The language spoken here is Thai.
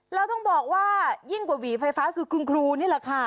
แล้วต้องบอกว่ายิ่งกว่าหวีไฟฟ้าคือคุณครูนี่แหละค่ะ